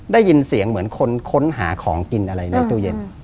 ได้ยินเสียงเหมือนคนค้นหาของกินอะไรในตู้เย็น